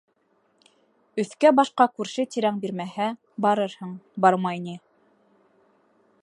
Өҫкә-башҡа күрше-тирәң бирмәһә, барырһың, бармай ни.